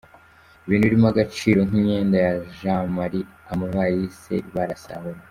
Ibintu birimo agaciro nk’imyenda ya Jean Marie amavalisi barasahura.